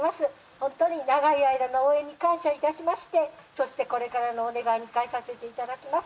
ほんとに長い間の応援に感謝いたしましてそしてこれからのお願いにかえさせていただきます